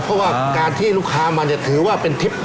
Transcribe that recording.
เพราะว่าการที่ลูกค้ามาเนี่ยถือว่าเป็นทริป